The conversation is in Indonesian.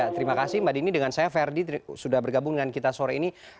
terima kasih mbak dini dengan saya ferdi sudah bergabung dengan kita sore ini